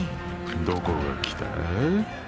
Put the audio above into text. どこが来た？